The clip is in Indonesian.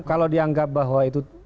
kalau dianggap bahwa itu